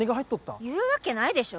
「言うわけないでしょ。